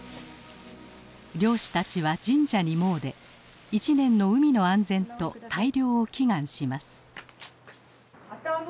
漁師たちは神社に詣で１年の海の安全と大漁を祈願します。